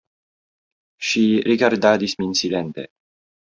Ŝi rigardadis min silente.